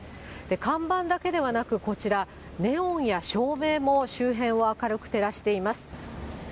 看板だけではなく、こちら、ネオンや照明も周辺を明るく照らしています。